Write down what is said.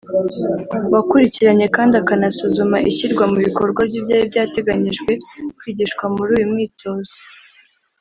wakurikiranye kandi akanasuzuma ishyirwa mu bikorwa ry’ibyari byateganyijwe kwigishwa muri uyu mwitozo